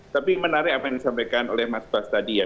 tapi menarik apa yang disampaikan oleh mas bas tadi ya